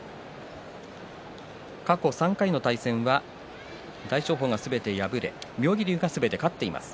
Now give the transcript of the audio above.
過去３回の対戦は大翔鵬がすべて敗れ妙義龍がすべて勝っています。